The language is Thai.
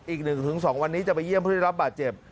อีก๑๒วันนี้จะไปเยี่ยมผู้ได้รับบาดเจ็บ